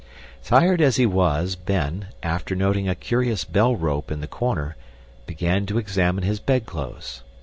Tired as he was, Ben, after noting a curious bell rope in the corner, began to examine his bedclothes.